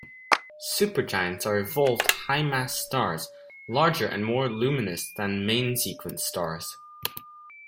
Supergiants are evolved high-mass stars, larger and more luminous than main-sequence stars.